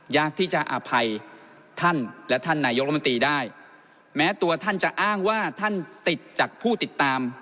อยากที่จะอภัยท่านและท่านนายกรมนตรีได้แม้ตัวท่านจะอ้างว่าท่านติดจากผู้ติดตาม